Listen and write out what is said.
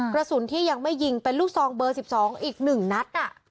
กระสุนที่ยังไม่ยิงเป็นลูกซองเบอร์๑๒อีก๑นัด